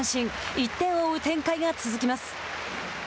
１点を追う展開が続きます。